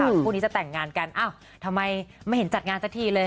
คู่นี้จะแต่งงานกันอ้าวทำไมไม่เห็นจัดงานสักทีเลย